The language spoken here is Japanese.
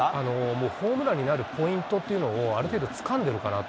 もうホームランになるポイントというのを、ある程度つかんでるかなと。